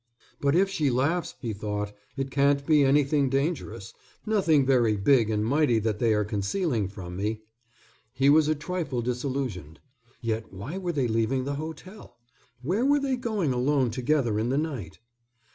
"But if she laughs," he thought, "it can't be anything dangerous, nothing very big and mighty that they are concealing from me." He was a trifle disillusioned. "Yet, why were they leaving the hotel? Where were they going alone together in the night?"